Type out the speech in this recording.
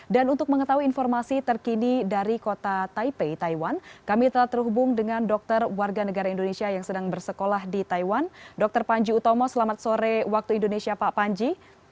dan untuk mengetahui informasi terkini dari kota taipei taiwan kami telah terhubung dengan dokter warga negara indonesia yang sedang bersekolah di taiwan dokter panji utomo selamat sore waktu indonesia pak panji